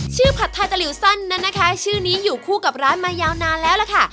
ผัดไทยตะหลิวสั้นนั้นนะคะชื่อนี้อยู่คู่กับร้านมายาวนานแล้วล่ะค่ะ